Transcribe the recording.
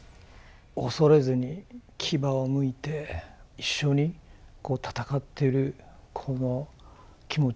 恐れずに牙をむいて一緒に戦ってるこの気持ちで。